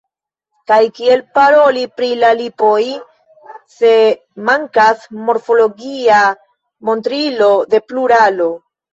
Kaj kiel paroli pri la lipoJ, se mankas morfologia montrilo de pluralo!